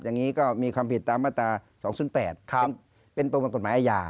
อย่างนี้ก็มีความผิดตามมาตรา๒๐๘เป็นประมวลกฎหมายอาญา